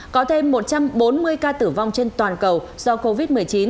có thêm một trăm bốn mươi ca tử vong trên toàn cầu do covid một mươi chín